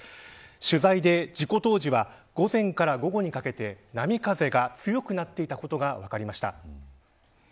取材で事故当時は午前から午後にかけて波風が強くなっていたことが分かりました。